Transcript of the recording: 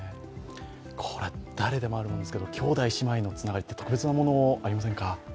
これ、誰でもあるんですけど兄弟姉妹のつながりって特別なものがありませんか？